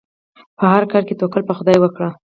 په هر کار کې توکل په خدای وکړئ.